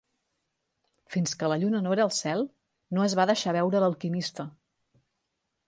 Fins que la lluna no era al cel no es va deixar veure l'alquimista.